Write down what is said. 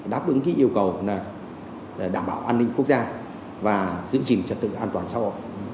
đáp ứng yêu cầu đảm bảo an ninh quốc gia và giữ gìn trật tự an toàn xã hội